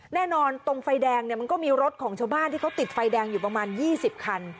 ตรงไฟแดงเนี่ยมันก็มีรถของชาวบ้านที่เขาติดไฟแดงอยู่ประมาณ๒๐คัน